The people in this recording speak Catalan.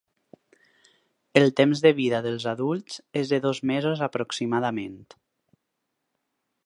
El temps de vida dels adults és de dos mesos aproximadament.